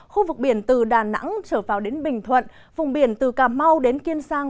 khu vực biển từ đà nẵng trở vào đến bình thuận vùng biển từ cà mau đến kiên giang